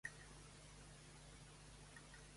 He anat a buscar un "Too good" a la fleca del Bonpreu